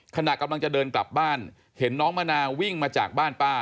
ขณะกำลังจะเดินกลับบ้านเห็นน้องมะนาววิ่งมาจากบ้านป้า